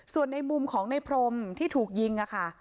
ส่วนในมุมของในพรมที่ถูกยิงค่ะ